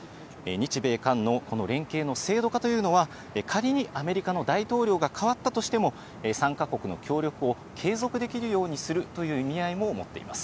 日米韓のこの連携の制度化というのは仮にアメリカの大統領が代わったとしても、３カ国の協力を継続できるようにするという意味合いも持っています。